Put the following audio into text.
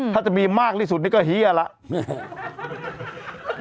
ถ้าจะมีมากที่สุดนี่ก็เฮียแล้ว